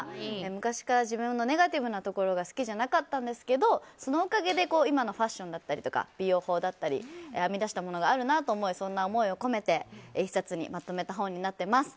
昔から自分のネガティブなところが好きじゃなかったんですけどそのおかげで今のファッションや美容法など編み出したものがありそんな思いを込めて１冊にまとめた本になっています。